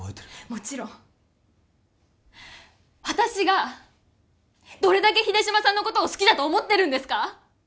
もちろん私がどれだけ秀島さんのことを好きだと思ってるんですか！